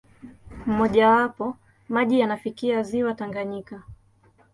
Mmojawapo, maji yanafikia ziwa Tanganyika.